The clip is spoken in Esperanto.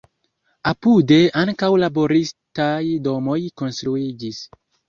Apude ankaŭ laboristaj domoj konstruiĝis.